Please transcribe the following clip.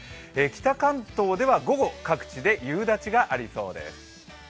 北関東では午後各地で夕立がありそうです。